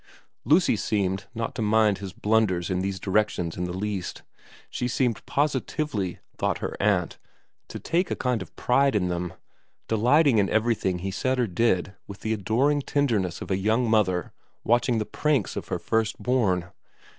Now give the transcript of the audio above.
Lucy seemed not to mind his blunders 102 VERA x in these directions in the least. She seemed positively, thought her aunt, to take a kind of pride in them, delighting in everything he said or did with the adoring tenderness of a young mother watching the pranks of her first born.